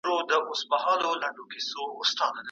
بېکاره وګړي او محبوسان په کار وګومارل سول.